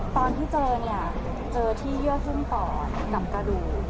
ตอนที่เจอเนี่ยเจอที่เยื่อหุ้มปอดกับกระดูก